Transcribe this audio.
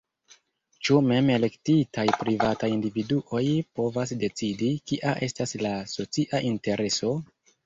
Ĉu mem-elektitaj privataj individuoj povas decidi, kia estas la socia intereso?